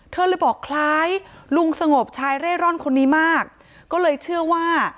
เธอเลยบอกคล้ายลุงสงบชายเร่ร่อนคนนี้มากก็เลยเชื่อว่า